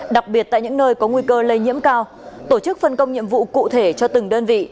đặc biệt tại những nơi có nguy cơ lây nhiễm cao tổ chức phân công nhiệm vụ cụ thể cho từng đơn vị